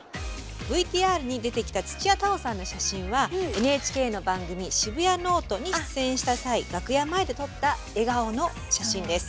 ＶＴＲに出てきた土屋太鳳さんの写真はＮＨＫの番組「シブヤノオト」に出演した際楽屋前で撮った笑顔の写真です。